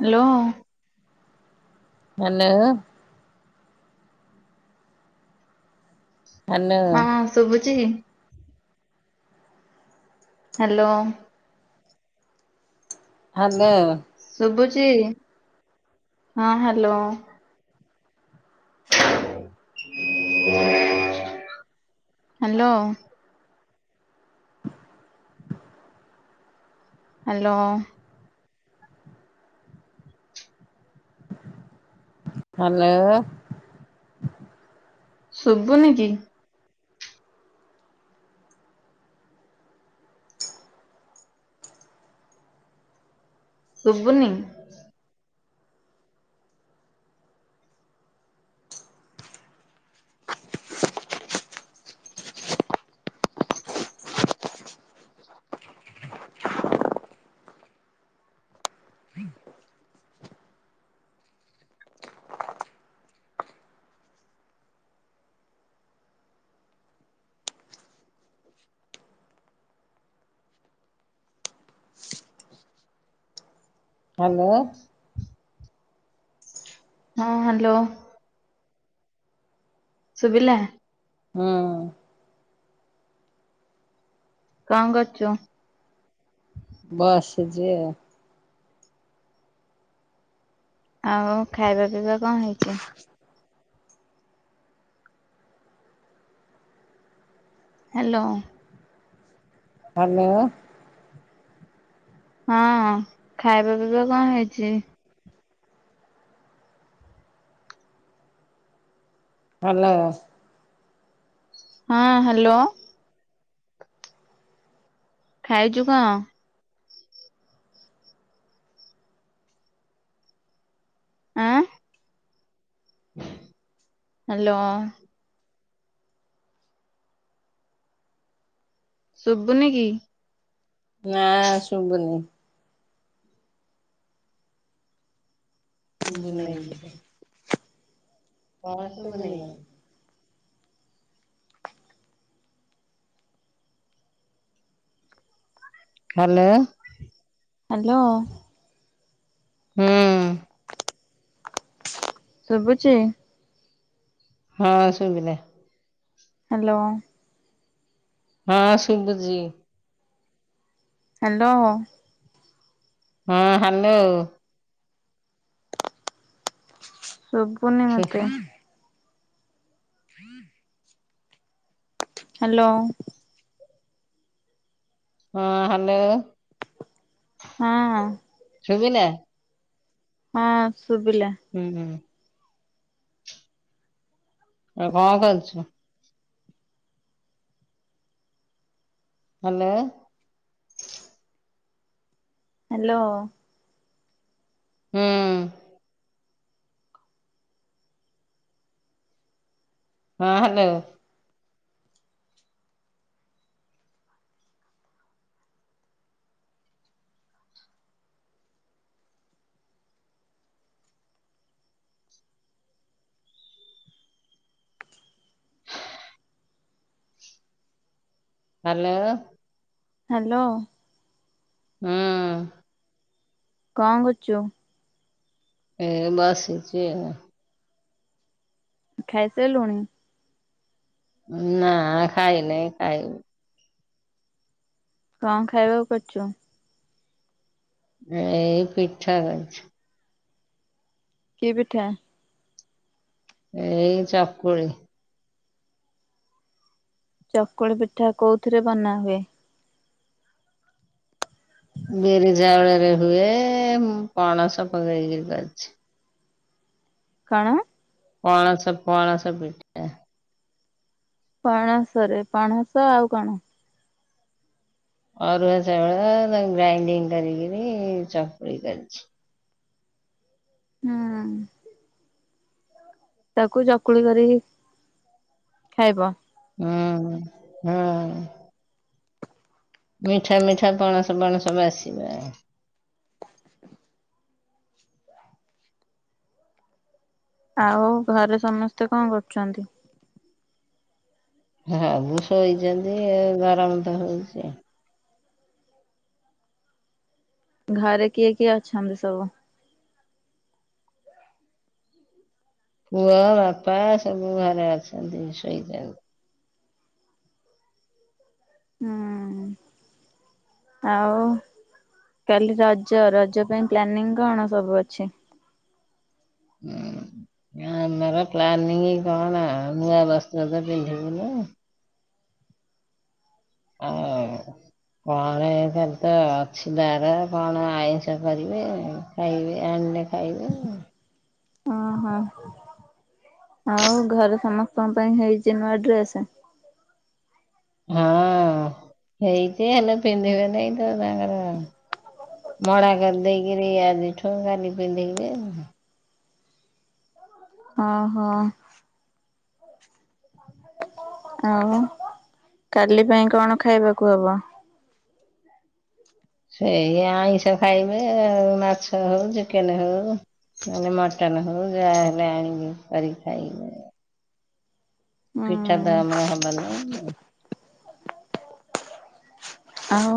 Hello. [unintelligible] ହଁ ଶୁଭୁଛି। Hello. Hello. ଶୁଭୁଛି ହଁ ହ୍ୟାଲୋ। [inaudible] ହ୍ୟାଲୋ। ହ୍ୟାଲୋ। ହ୍ୟାଲୋ। ଶୁଭୁନି କି? ଶୁଭୁନି। ହ୍ୟାଲୋ। ହଁ ହ୍ୟାଲୋ। ଶୁଭିଲା। ଉଁ। କଣ କରୁଛୁ? ବସିଚି ଆଉ। ଆଉ ଖାଇବା ପିଇବା କଣ ହେଇଛି? ହ୍ୟାଲୋ। ହେଲୋ। ହଁ ଖାଇବା ପିଇବା କଣ ହେଇଛି? ହେଲୋ ହଁ ହ୍ୟାଲୋ ଖାଇଛୁ କଣ? ଆଁ। ହ୍ୟାଲୋ ଶୁଭୁନି କି? ନା ଶୁଭୁନି ଶୁଭୁନି କିଛି [inaudible] କଣ [unintelligible] ଶୁଭୁନି? [unintelligible] Hello hello. ହୁଁ ଶୁବୁଛି ହଁ ଶୁବିଲା। ହ୍ୟାଲୋ ହଁ ଶୁବୁଝି। ହ୍ୟାଲୋ। ହଁ ହାଲୋ ସୁବୁନି ଶୁ ମତେ। ହୁଁ [unintelligible] ହ୍ୟାଲୋ ହଁ ହଲୋ ହଁ ସୁଵିଲା? ହଁ ଶୁଭିଲା ହୁଁ ହୁଁ। ଆ କଣ କରୁଚୁ? ହ୍ୟାଲୋ। ହ୍ୟାଲୋ ହୁଁ ହଁ ହ୍ୟାଲୋ ହ୍ୟାଲୋ ହ୍ୟାଲୋ ହୁଁ କଣ କରୁଛୁ? ଏ ବସିଚି ଆଉ। ଖାଇସାଇଲୁଣି? ନା ଖାଇନାଇଁ ଖାଇବୁ। କଣ ଖାଇବାକୁ କରିଚୁ? ଏ ପିଠା କରିଛି କିଏ ପିଠା? ଏଇ ଚାକୁଳି ଚକୁଳି ପିଠା କୋଉଥିରେ ବନା ହୁଏ? ବିରିଝାଉଳରେ ହୁଏ ମୁଁ ପଣସ ପକେଇକିରି କରିଛି। କଣ? ପଣସ ପୁଆସ ପିଠା। ପଣସ ରେ ପଣସ ଆଉ କଣ? ଅରୁଆ ଚାଉଳ ତାକୁ ଗ୍ରାଇଣ୍ଡିଙ୍ଗ କରିକିରି ଚକୁଳି କରିଛି। ହୁଁ ତାକୁ ଚକୁଳି କରି ଖାଇବ। ହୁଁ ହୁଁ। ମିଠା ମିଠା ପଣସ ପଣସ ବାସିବା। ଆଉ ଘରେ ସମସ୍ତେ କଣ କରୁଛନ୍ତି। ସବୁ ସୋଇଚନ୍ତି ଗରମ ତ ହଉଛି। ଘରେ କିଏ କିଏ ଅଛନ୍ତି ସବୁ। ପୁଅ ବାପା ସବୁ ଘରେ ଅଛନ୍ତି ଶୋଇଯାଉ। ହୁଁ ଆଉ। କାଲି ରଜ ରଜ ପାଇଁ ପ୍ଲାନିଂ କଣ ସବୁ ଅଛି। [inaudible] ଆମର ପ୍ଲାନିଂ କଣ ଆଉ ନୂଆ ବସ୍ତ୍ର ତ ପିନ୍ଧିବୁନୁ। ହଁ। କଣ ଏ ଖାଲି ତ ଅଛି ତାର କଣ ଆଇଁଷ କରିବେ। କାଇବେ ଆନ୍‌ଲେ ଖାଇବେ। ଓ ହୋ। ଆଉ ଘରେ ସମସ୍ତଙ୍କ ପାଇଁ ହେଇଛି ନୂଆ ଡ୍ରେସ। ହଁ ହେଇଛି ହେଲେ ପିନ୍ଧିବେ ନେଇଁ ତ ତାଙ୍କର ମଡ଼ା କରି ଦେଇକିରି ଆଜିଠୁ କାଲି ପିନ୍ଧିବେ। ହଁ ହଁ। ଆଉ କାଲି ପାଇଁ କଣ ଖାଇବାକୁ ହବ। ସେଇ ଆଇଁଷ ଖାଇବେ ମାଛ ହଉ ଚିକେନ ହଉ ମାନେ ମଟନ ହଉ ଯାହାହେଲେ ଆଣିବି କରିକି ଖାଇବୁ। ହୁଁ ପିଠା ତ ଆମର ହବନି। ଆଉ।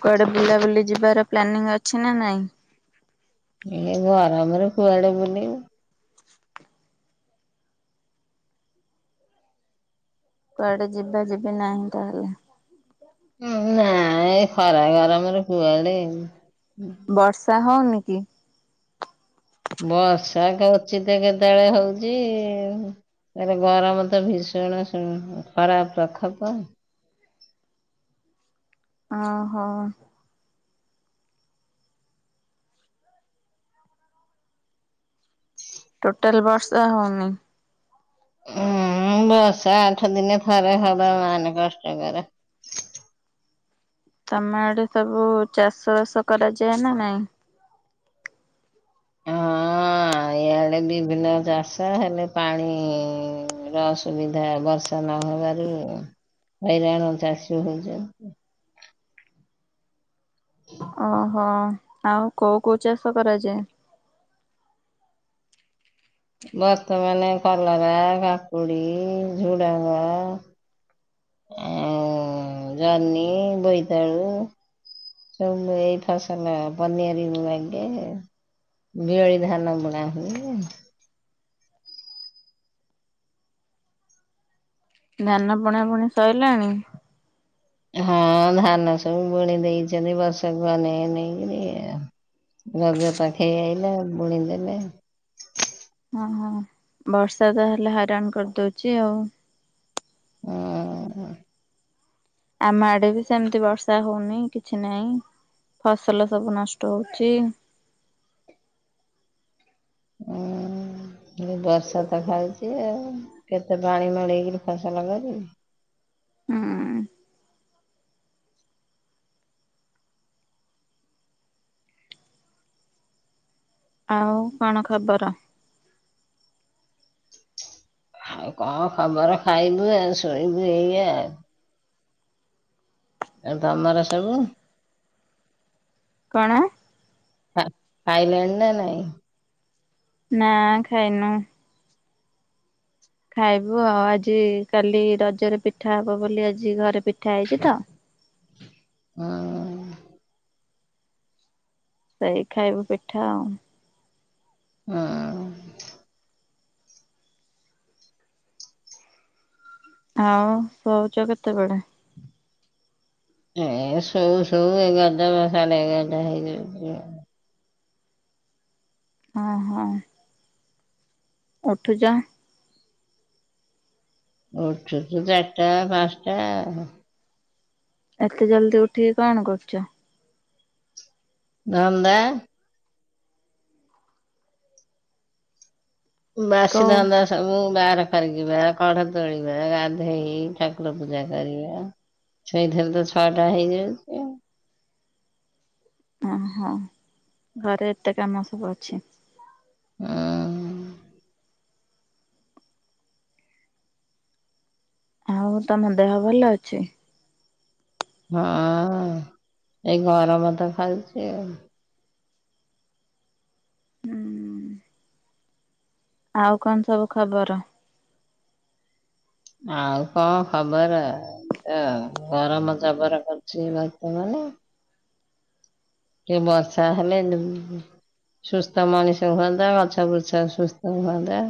କୁଆଡେ ବୁଲାବୁଲି ଯିବାର ପ୍ଲାନିଂ ଅଛି ନା ନାଇଁ। ଏ ଗରମ ରେ କୁଆଡେ ବୁଲିବୁ। କୁଆଡେ ଯିବା ଯିବି ନାହିଁ ତାହେଲେ। ହୁଁ ନା ଏଇ ଖରା ଗରମରେ କୁଆଡେ ବର୍ଷା ହଉନି କି? ବର୍ଷା କୁଚିତ୍‌ କେତେ ବେଳେ ହଉଚି ଇଆରେ ଗରମ ତ ଭୀଷଣ ଖରା ପ୍ରଖପ। ଅଁ ହ। ଟୋଟାଲ୍ ବର୍ଷା ହେଉନି। ଉୁଁ ର୍ବଷା ଆଠ ଦିନେ ଥରେ ହବା ମହାନେ କଷ୍ଟକର। ତମେ ଆଡେ ସବୁ ଚାଷ ବାସ କରାଯାଏ ନା ନାଇଁ। ହଁ ଇଆ ବିଭିନ୍ନ ଚାଷ ହେଲେ ପାଣିର ସୁୁବିଧା ବର୍ଷ ନ ହେବାରୁ ହଇରାଣ ଚାଷୀ ହଉଚନ୍ତି। [inaudible] ଅ ହଁ ଆଉ କୋଉ କୋଉ ଚାଷ କରାଯାଏ। ବର୍ତ୍ତମାନ କଲରା କାକୁୁଡି ଝୁଡଙ୍ଗ। ଆଉ ଜହ୍ନି ବୋଇତାଳୁ। ସବୁ ଏଇ ଫସଲ ପନିଆରି ବି ଲାଗେ। ବିଆଳି ଧାନ ବୁଣା ହୁଏ। ଧାନ ବୁଣା ବୁଣି ସଇଲାଣି। ହଁ ଧାନ ସବୁ ବୁଣି ଦେଇଛନ୍ତି ବର୍ଷାକୁ ଅନେଇ ଅନେଇକିରି ଆଉ। ରଜ ପାଖେଇ ଆଇଲା ବୁଣି ଦେଲେ। ହଁ ହଁ ବର୍ଷା ତା ହେଲେ ହଇରାଣ କରିଦଉଛି ଆଉ। ହଁ। ଆମ ଆଡେ ବି ସେମିତି ବର୍ଷା ହଉନି କିଛି ନାହିଁ। ଫସଲ ସବୁ ନଷ୍ଟ ହୋଉଛି। ହୁଁ। ବର୍ଷା ତ ଖାଉଛି ଆଉ କେତେ ପାଣି ମଳେଇକରି ଫସଲ କରିବି‌। ହୁଁ। ଆଉ କଣ ଖବର? ଆଉ କଣ ଖବର ଖାଇବୁ ଆଉ ଶୁଣିବୁ ଏଇଆ ଆଉ। ଏ ତମର ସବୁ? କଣ? ଖାଇଲଣି ନା ନାଇଁ। ନା ଖାଇନୁ? ଖାଇବୁ ଆଉ ଆଜି କାଲି ରଜରେ ପିଠା ହବ ବୋଲି ଆଜି ଘରେ ପିଠା ହେଇଛି ତ। ହଁ। ସେଇ ଖାଇବୁ ପିଠା ଆଉ। ହଁ। ଆଉ ଶଉଛ କେତେବେଳେ? ଏ ଶୋଉ ଶୋଉ ଏଗାର ଟା ବାରଟା ହେଇଯାଉଛି। ହଁ ହଁ। ଉଠୁଛ? ଓଛୁ ତୁ ଚାରିଟା ପାଞ୍ଚଟା। ଏତେ ଜଲ୍ଦି ଉଠିକି କଣ କରୁଛ? ଧନ୍ଦା। ମାଆ କଉ ଆସିଥାନ୍ତା। ସବୁ ବାହାର କରି ଯିବା କଢ ତୋଳିବା ଗାଧେଇ ଠାକୁର ପୂଜା କରିବା। ସେଇଥିରେତ ଛଅଟା ହେଇଯାଉଚି। ଓହୋ ଘରେ ଏତେ କାମ ସବୁ ଅଛି। ଆଉ ଆଉ ତମ ଦେହ ଭଲ ଅଛି? ହଁ ଏଇ ଗରମ ତ ଖାଉଛି ଆଉ। ହୁଁ ଆଉ କଣ ସବୁ ଖବର? ଆଉ କଣ ଖବର। ଅ ଗରମ ଜବର କରୁଛି ବର୍ତମାନେ। ସେ ବର୍ଷା ହେଲେ ସୁସ୍ଥ ମଣିଷ ହୁଅନ୍ତା ଗଛ ବୃଛ ସୁସ୍ଥ ହୁଅନ୍ତା।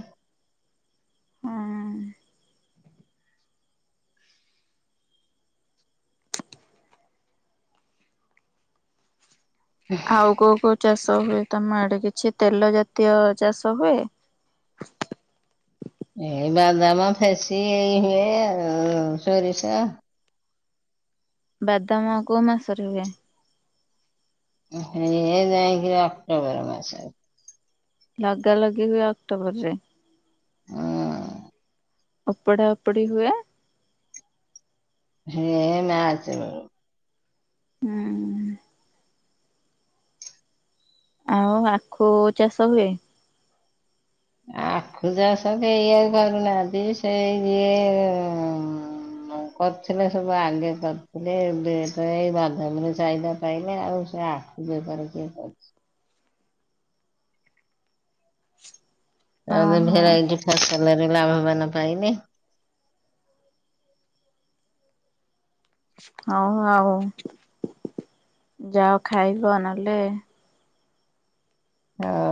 ଆଉ କୋଉ କୋଉ ଚାଷ ହୁଏ। ତମ ଆଡେ କିଛି ତେଲ ଜାତୀୟ ଚାଷ ହୁଏ? ଏ ବାଦାମ ଫେସି ଏଇ ହୁଏ ଆଉ ଶୋରିଷ। ବାଦାମ କୋଉ ମାସରେ ହୁଏ? ଏହେ ଯାଇକି ଅକ୍ଟୋବର ମାସରେ। ଲଗା ଲଗି ହୁଏ ଅକ୍ଟୋବର ରେ। ଆ ଅପଢା ଓପଢି ହୁଏ। ହେ ମାର୍ଚ୍ଚ ବେଳୁ। ହୁଁ। ଆଉ ଆଖୁ ଚାଷ ହୁଏ। ଆଖୁ ଚାଷ କେହି ଆଉ କରୁନାହାନ୍ତି ସେଇ ଯିଏ ଉଁ ମ୍। କରିଥିଲେ ସବୁ ଆଗେ କରିଥିଲେ ଏଇ ବାଦାମରେ ଚାହିଦା ପାଇଲେ ଆଉ ସେ ବେଭାର କିଏ କରୁଛି। ଆଉ ତ ଓହୋ ଭେରାଇଟି ଫସଲରେ ଲାଭବାନ ପାଇଲେ। ହୋଉ ଆଉ ଯାଅ ଖାଇବ ନହେଲେ ହୋଉ।